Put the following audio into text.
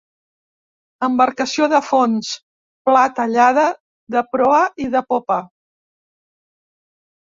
Embarcació de fons pla tallada de proa i de popa.